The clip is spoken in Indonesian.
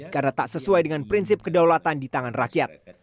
karena tak sesuai dengan prinsip kedaulatan di tangan rakyat